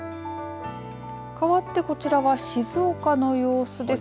かわってこちらは静岡の様子です。